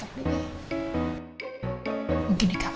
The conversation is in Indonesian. mungkin di kamar